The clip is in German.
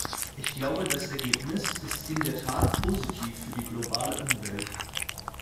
Ich glaube, das Ergebnis ist in der Tat positiv für die globale Umwelt.